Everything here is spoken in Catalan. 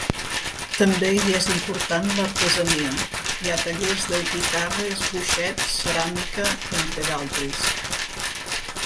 També hi és important l'artesania: hi ha tallers de guitarres, boixets, ceràmica, entre d'altres.